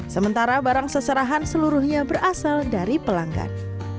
sementara barang seserahan seluruhnya berasal dari pelanggan